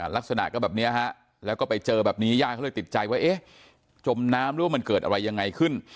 ลักษณะก็แบบนี้ฮะแล้วก็ไปเจอแบบนี้ญาติเขาเลยติดใจว่าเอ๊ะจมน้ำหรือว่ามันเกิดอะไรยังไงขึ้น